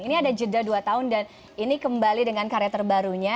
ini ada jeda dua tahun dan ini kembali dengan karya terbarunya